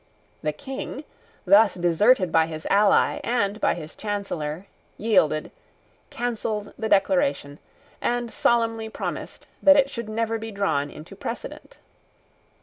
The King, thus deserted by his ally and by his Chancellor, yielded, cancelled the Declaration, and solemnly promised that it should never be drawn into precedent.